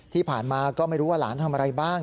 ที่ผ่านมาก็ไม่รู้ว่าหลานทำอะไรบ้าง